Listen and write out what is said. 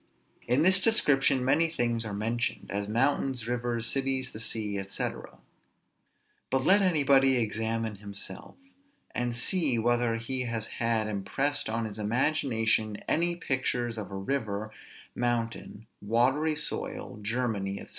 In this description many things are mentioned, as mountains, rivers, cities, the sea, &c. But let anybody examine himself, and see whether he has had impressed on his imagination any pictures of a river, mountain, watery soil, Germany, &c.